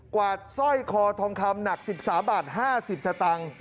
วาดสร้อยคอทองคำหนัก๑๓บาท๕๐สตางค์